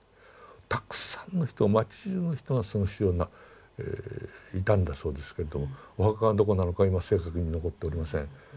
たくさんの人町じゅうの人がその死を悼んだそうですけれどもお墓がどこなのか今正確に残っておりません。